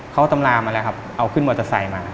เขาตำรามาแล้วครับเอาขึ้นมอเตอร์ไซค์มา